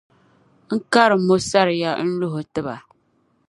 n karim’ o saria n-luh’ o ti ba.